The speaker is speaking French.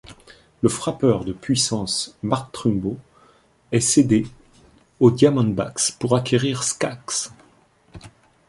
Le frappeur de puissance Mark Trumbo est cédé aux Diamondbacks pour acquérir Skaggs.